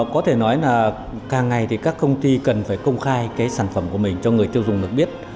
có thể nói là càng ngày thì các công ty cần phải công khai cái sản phẩm của mình cho người tiêu dùng được biết